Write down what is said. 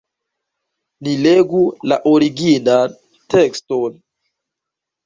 Ni legu la originan tekston.